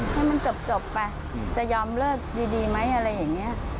ให้มันจบไปจะยอมเลิกดีไหมอะไรอย่างนี้